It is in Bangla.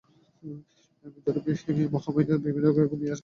বিদ্যারূপিণী মহামায়া ভেতরে ঘুমিয়ে রয়েছেন, তাই সব জানতে পাচ্ছিস না।